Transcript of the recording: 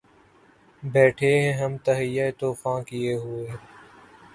بیٹهے ہیں ہم تہیّہ طوفاں کئے ہوئے